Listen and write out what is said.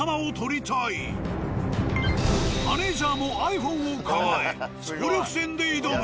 マネジャーもｉＰｈｏｎｅを構え総力戦で挑む。